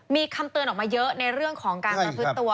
มีคำเตือนออกมาเยอะในเรื่องของการประพฤติตัว